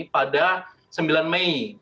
pada sembilan mei